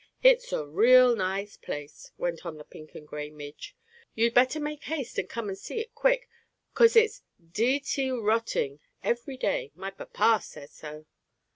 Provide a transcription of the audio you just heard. "It's a real nice place," went on the pink and gray midge. "You'd better make haste and come and see it quick, 'cause it's de te rotting every day; my papa said so.